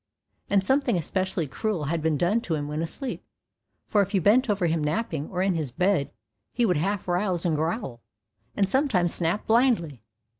And something especially cruel had been done to him when asleep, for if you bent over him napping or in his bed he would half rouse and growl, and sometimes snap blindly.